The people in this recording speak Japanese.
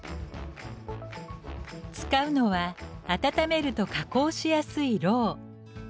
使うのは温めると加工しやすい蝋。